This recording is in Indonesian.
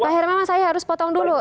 pak hermawan saya harus potong dulu